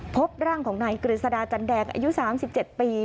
พบร่างของนายกฤษฎาจันแดงอายุ๓๗ปี